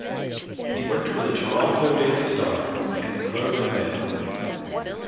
He worked for the "Toronto Daily Star" and "The Globe and Mail".